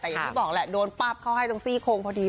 แต่อย่างที่บอกแหละโดนปั๊บเขาให้ตรงซี่โคงพอดี